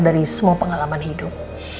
dari semua pengalaman hidup